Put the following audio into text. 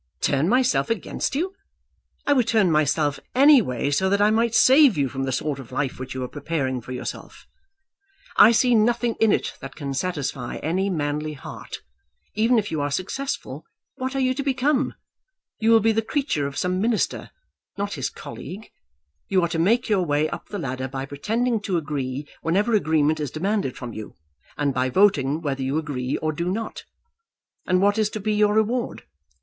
"Turn myself against you! I would turn myself any way so that I might save you from the sort of life which you are preparing for yourself. I see nothing in it that can satisfy any manly heart. Even if you are successful, what are you to become? You will be the creature of some minister, not his colleague. You are to make your way up the ladder by pretending to agree whenever agreement is demanded from you, and by voting whether you agree or do not. And what is to be your reward?